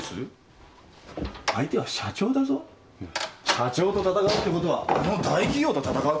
社長と闘うってことはあの大企業と闘うってことだ。